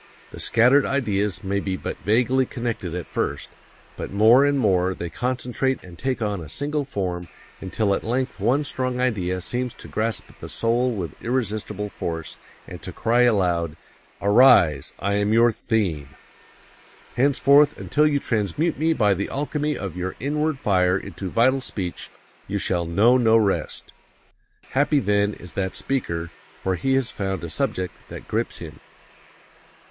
The scattered ideas may be but vaguely connected at first, but more and more they concentrate and take on a single form until at length one strong idea seems to grasp the soul with irresistible force, and to cry aloud, 'Arise, I am your theme! Henceforth, until you transmute me by the alchemy of your inward fire into vital speech, you shall know no rest!' Happy, then, is that speaker, for he has found a subject that grips him.